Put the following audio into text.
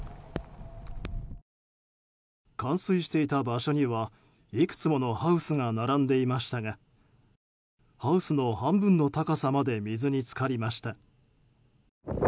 冠水していた場所にはいくつものハウスが並んでいましたがハウスの半分の高さまで水に浸かりました。